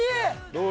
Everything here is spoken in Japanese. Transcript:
どう？